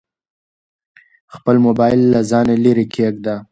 خپل موبایل له ځانه لیرې کېږده.